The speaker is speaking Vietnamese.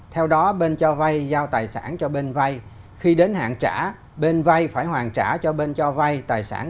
theo đó bên cho vay giao tài sản cho bên vay khi đến hạn trả bên vay phải hoàn trả cho bên cho vay tài sản